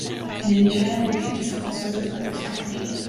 Les Nigériens répliquent et certains soldats traversent la frontière.